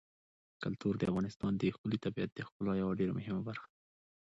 کلتور د افغانستان د ښکلي طبیعت د ښکلا یوه ډېره مهمه برخه ده.